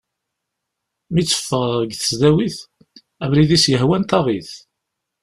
Mi d-teffeɣ seg tesdawit, abrid i as-yehwan taɣ-it.